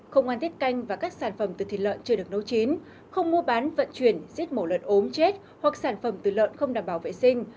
không ăn tiết canh và các sản phẩm từ thịt lợn chưa được nấu chín không mua bán vận chuyển giết mổ lợn ốm chết hoặc sản phẩm từ lợn không đảm bảo vệ sinh